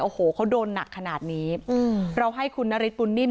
โอ้โหเขาโดนหนักขนาดนี้อืมเราให้คุณนฤทธบุญนิ่ม